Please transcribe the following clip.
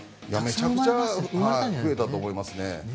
めちゃくちゃ増えたと思います。